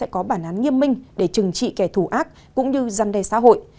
có bản án nghiêm minh để trừng trị kẻ thù ác cũng như răn đe xã hội